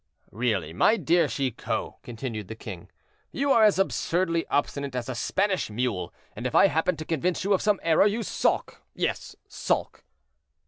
"Really, my dear Chicot," continued the king, "you are as absurdly obstinate as a Spanish mule; and if I happen to convince you of some error, you sulk; yes, sulk."